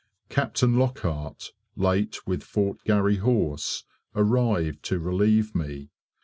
Captain Lockhart, late with Fort Garry Horse, arrived to relieve me.